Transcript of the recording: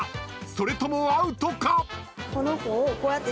それともアウトか⁉］